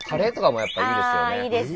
いいですね。